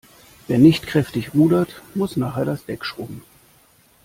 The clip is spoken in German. Wer nicht kräftig rudert, muss nachher das Deck schrubben.